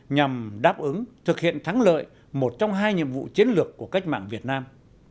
nhằm đáp ứng thực hiện thắng lợi một trong hai nhiệm vụ chiến lược của cách mạng việt nam